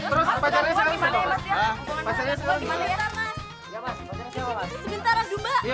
terus pacarnya saya